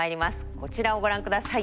こちらをご覧ください。